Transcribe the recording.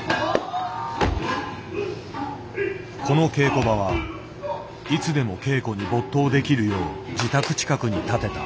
この稽古場はいつでも稽古に没頭できるよう自宅近くに建てた。